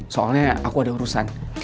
soalnya aku ada urusan